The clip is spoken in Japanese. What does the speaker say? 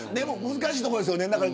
難しいところですよね。